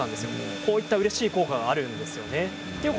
こういううれしい効果があるんです。